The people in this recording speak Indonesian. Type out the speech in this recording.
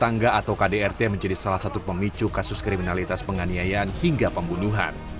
tangga atau kdrt menjadi salah satu pemicu kasus kriminalitas penganiayaan hingga pembunuhan